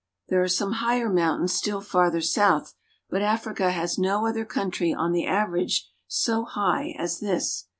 There are some higher mountains still farther south ; but Africa has no other country on the average so high as this.